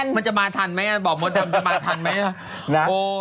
มันจะมาทันไหมบอกมดดำจะมาทันไหม